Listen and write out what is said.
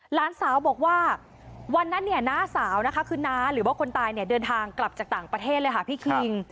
หลานสาวบอกว่าวันนั้นเนี่ยน้าสาวนะคะคือน้าหรือว่าคนตายเนี่ยเดินทางกลับจากต่างประเทศเลยค่ะพี่คิง